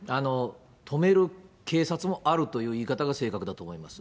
止める警察もあるという言い方が正確だと思います。